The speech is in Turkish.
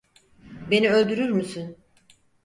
Beni öldürür müsün?